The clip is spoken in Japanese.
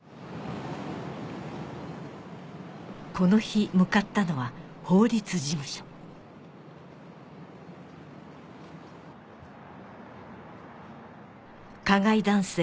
この日向かったのは法律事務所加害男性